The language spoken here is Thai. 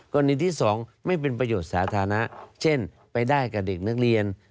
กรณีที่๒ไม่เป็นประโยชน์สาธารณะเช่นไปได้กับเด็กนักเรียน